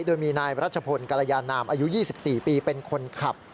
โดยมีนายรัชพลกรยานามอายุ๒๔ปีเป็นคนขับ